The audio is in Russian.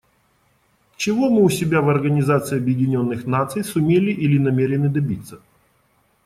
Чего мы у себя в Организации Объединенных Наций сумели или намерены добиться?